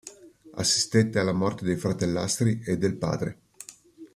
Assistette alla morte dei fratellastri e del padre.